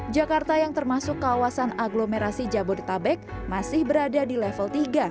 jakarta yang termasuk kawasan agglomerasi jabodetabek masih berada di level tiga